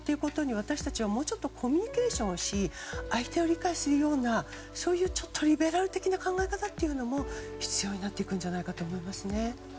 私たちは、もうちょっとコミュニケーションをし相手を理解するようなそういうリベラル的な考え方というのも必要になってくるんじゃないかと思います。